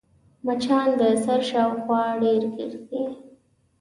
مچان د سر شاوخوا ډېر ګرځي